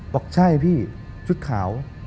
บอกใช่พี่ชุดขาว